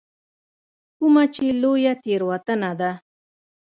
کومه چې لویه تېروتنه ده.